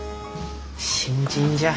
新人じゃあ。